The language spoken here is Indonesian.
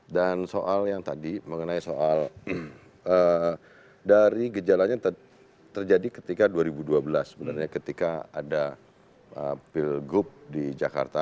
dan soal yang tadi mengenai soal dari gejalanya terjadi ketika dua ribu dua belas sebenarnya ketika ada pilgub di jakarta